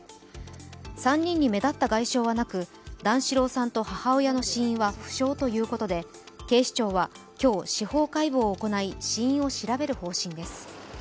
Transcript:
３人に目立った外傷はなく段四郎さんと母親の死因は不詳ということで警視庁は今日司法解剖を行い死因を調べる方針です。